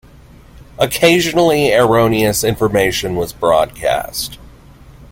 Occasionally erroneous information was broadcast.